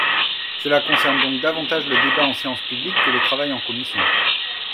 Cela concerne donc davantage le débat en séance publique que le travail en commission.